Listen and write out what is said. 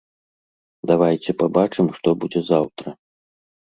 Давайце пабачым, што будзе заўтра.